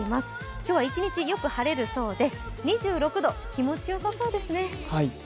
今日は一日、よく晴れるそうで２６度、気持ちよさそうですね。